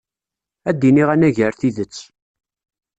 Ad d-iniɣ anagar tidet.